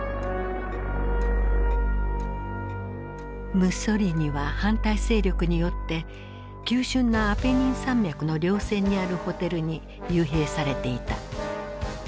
ムッソリーニは反対勢力によって急しゅんなアペニン山脈のりょう線にあるホテルに幽閉されていた。